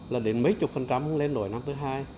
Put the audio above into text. là đến mấy chục phần trăm không lên nổi năm thứ hai